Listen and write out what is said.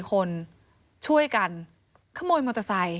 คนช่วยกันขโมยมอเตอร์ไซค